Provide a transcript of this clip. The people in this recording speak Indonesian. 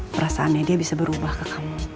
perasaannya dia bisa berubah ke kamu